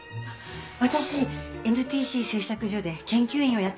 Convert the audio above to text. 私 ＮＴＣ 製作所で研究員をやってます